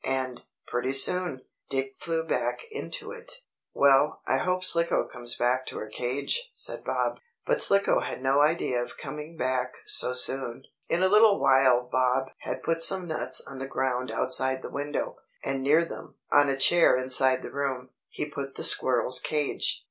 And, pretty soon, Dick flew back into it." "Well, I hope Slicko comes back to her cage," said Bob. But Slicko had no idea of coming back so soon. In a little while Bob had put some nuts on the ground outside the window, and near them, on a chair inside the room, he put the squirrel's cage.